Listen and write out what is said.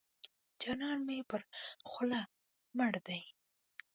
جانان مې پر خوله مړ دی.